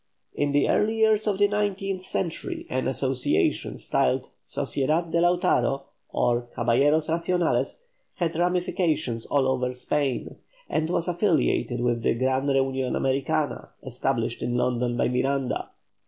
In the early years of the nineteenth century an association styled "Sociedad de Lautaro," or "Caballeros Racionales," had ramifications all over Spain, and was affiliated with the "Gran Reunion Americana" established in London by Miranda.